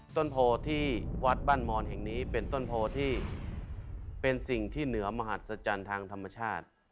ต้นโพที่วัดบ้านมอนแห่งนี้เป็นต้นโพที่เป็นสิ่งที่เหนือมหัศจรรย์ทางธรรมชาติ